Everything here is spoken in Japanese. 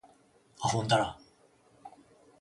あほんだら